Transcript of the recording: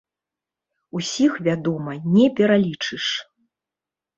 Усіх, вядома, не пералічыш.